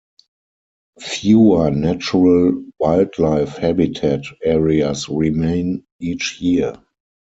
Fewer natural wildlife habitat areas remain each year.